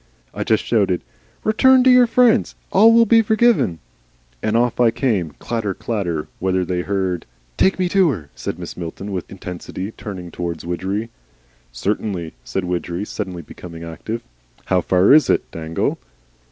I just shouted, 'Return to your friends. All will be forgiven.' And off I came, clatter, clatter. Whether they heard " "TAKE ME TO HER," said Mrs. Milton, with intensity, turning towards Widgery. "Certainly," said Widgery, suddenly becoming active. "How far is it, Dangle?"